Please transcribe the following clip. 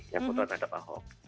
yang kontra terhadap ahok